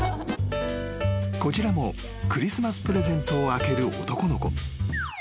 ［こちらもクリスマスプレゼントを開ける男の子］